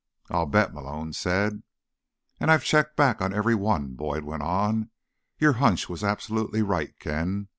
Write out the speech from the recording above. "I'll bet," Malone said. "And I checked back on every one," Boyd went on. "Your hunch was absolutely right, Ken.